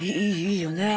いいよね。